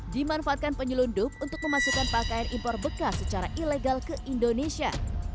dimanfaatkan penyelundup untuk memasukkan pakaian impor bekas secara ilegal ke indonesia